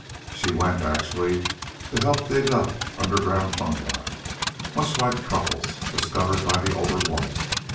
She went, actually, to help dig up underground fungi much like truffles discovered by the older woman.